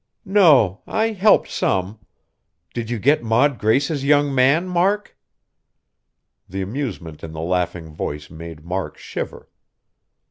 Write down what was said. "No. I helped some. Did you get Maud Grace's young man, Mark?" The amusement in the laughing voice made Mark shiver.